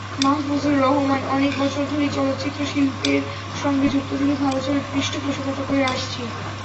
মাহফুজুর রহমানঅনেক বছর ধরেই চলচ্চিত্রশিল্পের সঙ্গে যুক্ত থেকে ভালো ছবির পৃষ্ঠপোষকতা করে আসছি।